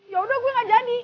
yaudah gue ga jadi